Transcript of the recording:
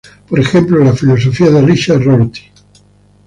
Por ejemplo la filosofía de Richard Rorty.